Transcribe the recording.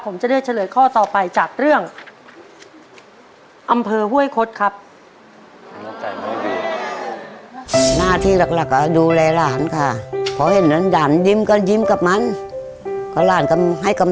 ผมจะเลือกเฉลยข้อต่อไปจากเรื่องอำเภอห้วยคดครับ